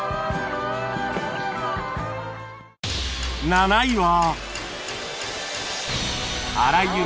７位は